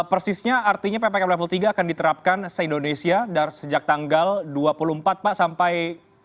persisnya artinya ppkm level tiga akan diterapkan se indonesia dari sejak tanggal dua puluh empat pak sampai